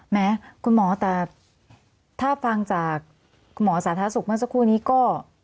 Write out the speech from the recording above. แม้คุณหมอแต่ถ้าฟังจากคุณหมอสาธารณสุขเมื่อสักครู่นี้ก็